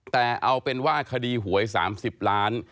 แต่เอาเป็นว่าคดีหวย๓๐ล้าน